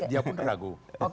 dia pun ragu